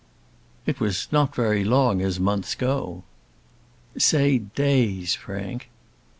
"It was not very long, as months go." "Say days, Frank."